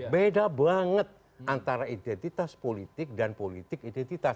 beda banget antara identitas politik dan politik identitas